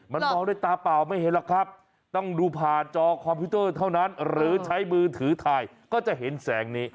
มันมองด้วยตาเปล่าไม่เห็นหรอกครับต้องดูผ่านจอคอมพิวเตอร์เท่านั้นหรือใช้มือถือถ่ายก็จะเห็นแสงนี้